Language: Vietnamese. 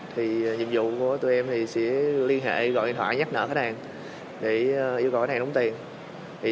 nhiệm vụ của tụi em là liên hệ gọi điện thoại nhắc nợ khách hàng yêu cầu khách hàng đóng tiền